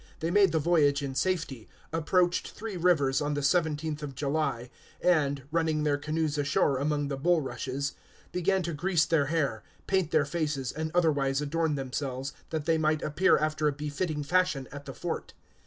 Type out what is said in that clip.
They made the voyage in safety, approached Three Rivers on the seventeenth of July, and, running their canoes ashore among the bulrushes, began to grease their hair, paint their faces, and otherwise adorn themselves, that they might appear after a befitting fashion at the fort.